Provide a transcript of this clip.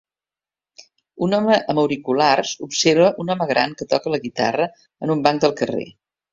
Un home amb auriculars observa un home gran que toca la guitarra en un banc del carrer.